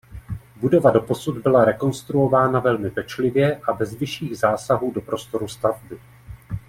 Budova doposud byla rekonstruována velmi pečlivě a bez vyšších zásahů do prostoru stavby.